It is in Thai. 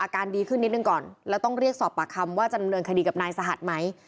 ดีขึ้นนิดหนึ่งก่อนแล้วต้องเรียกสอบปากคำว่าจะดำเนินคดีกับนายสหัสไหม